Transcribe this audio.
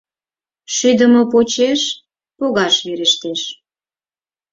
Шӱдымӧ почеш погаш верештеш.